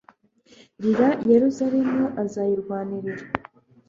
rira yerusalemu azayirwanirira